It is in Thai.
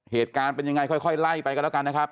เหตุการณ์เป็นยังไงค่อยไล่ไปกันแล้วกันนะครับ